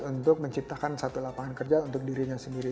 untuk menciptakan satu lapangan kerja untuk dirinya sendiri